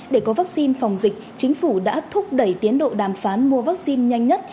để có vaccine phòng dịch chính phủ đã thúc đẩy tiến độ đàm phán mua vaccine nhanh nhất